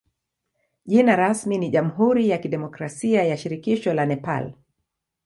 Jina rasmi ni jamhuri ya kidemokrasia ya shirikisho la Nepal.